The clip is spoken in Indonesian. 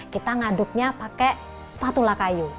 kita ngaduknya pakai patula kayu